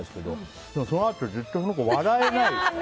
そのあとずっと、その子笑えない。